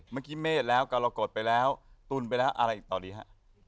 เมื่อกี้เมฆแล้วกรกฎไปแล้วตุนไปแล้วอะไรอีกตอนนี้ฮะ